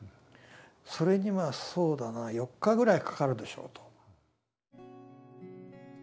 それにはそうだな４日ぐらいかかるでしょう」と。